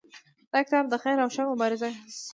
دا کتاب د خیر او شر مبارزه څیړي.